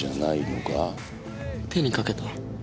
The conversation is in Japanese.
手に掛けた？